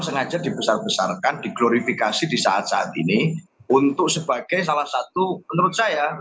sengaja dibesar besarkan diglorifikasi di saat saat ini untuk sebagai salah satu menurut saya